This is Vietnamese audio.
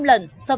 so với quy định